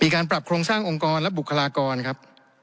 การปรับโครงสร้างองค์กรและบุคลากรครับ